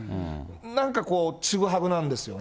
なんかこう、ちぐはぐなんですよね。